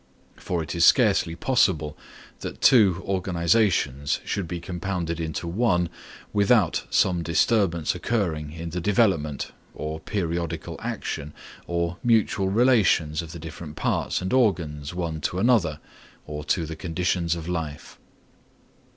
For it is scarcely possible that two organisations should be compounded into one, without some disturbance occurring in the development, or periodical action, or mutual relations of the different parts and organs one to another or to the conditions of life.